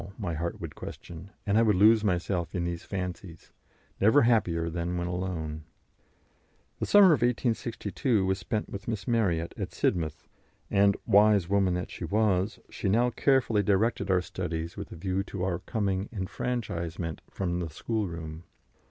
my heart would question, and I would lose myself in these fancies, never happier than when alone. The summer of 1862 was spent with Miss Marryat at Sidmouth, and, wise woman that she was, she now carefully directed our studies with a view to our coming enfranchisement from the "schoolroom."